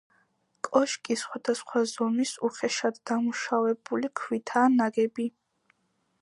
კოშკი სხვადასხვა ზომის უხეშად დამუშავებული ქვითაა ნაგები.